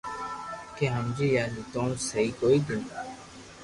ڪي ھمجي جا نيتوڻ سھي ڪوئي نن